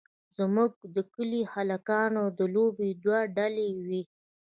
زموږ د کلي د هلکانو د لوبو دوه ډلې وې.